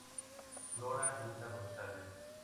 Flora Luna Gonzales.